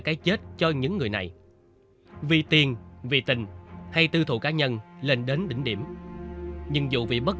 cái chết cho những người này vì tiền vì tình hay tư thụ cá nhân lên đến đỉnh điểm nhưng dù bị bất